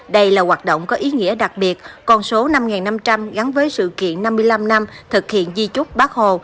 đây là hoạt động có ý nghĩa đặc biệt con số năm năm trăm linh gắn với sự kiện năm mươi năm năm thực hiện di trúc bác hồ